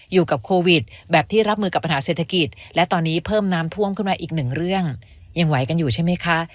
อยู่กับโควิดแบบที่รับมือกับปัญหาเศรษฐกิจและตอนนี้เพิ่มน้ำท่วมขึ้นมาอีกหนึ่งเรื่องยังไหวกันอยู่ใช่ไหมคะ